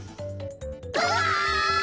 うわ！